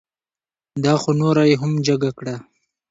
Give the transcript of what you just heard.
دا خو نوره یې هم جگه کړه.